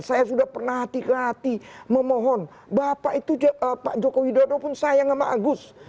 saya sudah pernah hati hati memohon bapak itu pak joko widodo pun sayang sama agus